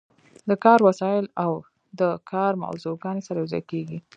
د کار وسایل او د کار موضوعګانې سره یوځای کیږي.